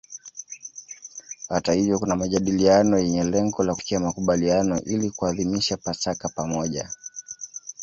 Hata hivyo kuna majadiliano yenye lengo la kufikia makubaliano ili kuadhimisha Pasaka pamoja.